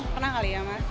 pernah kali ya mas